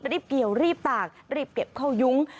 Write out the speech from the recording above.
รีบเกี่ยวรีบตากรีบเก็บเข้ายุ้ง